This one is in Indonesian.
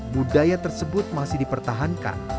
budaya tersebut masih dipertahankan